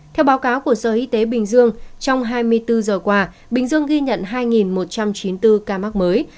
theo báo cáo của sở y tế bình dương trong hai mươi bốn giờ qua bình dương ghi nhận hai một trăm chín mươi bốn ca mắc mới